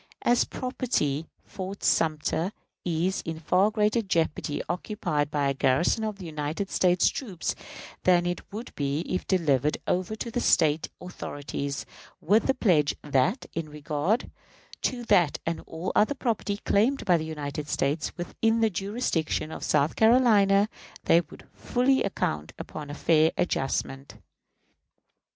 As property, Fort Sumter is in far greater jeopardy occupied by a garrison of United States troops than it would be if delivered over to the State authorities, with the pledge that, in regard to that and all other property claimed by the United States within the jurisdiction of South Carolina, they would fully account, upon a fair adjustment.